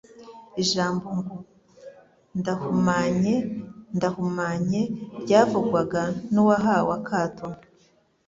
Ijambo ngo : "Ndahumanye, ndahumanye!" Ryavugwaga n'uwahawe akato,